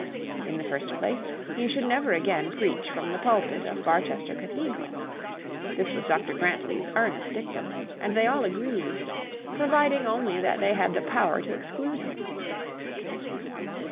In the first place he should never again preach from the pulpit of Barchester cathedral. This was Dr Grantly's earliest dictum; and they all agreed, providing only that they had the power to exclude him.